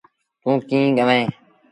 توݩ ڪيݩ وهيݩ۔